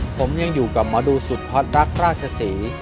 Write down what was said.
ผมยังอยู่กับหมอดูสุดฮอตรักราชศรี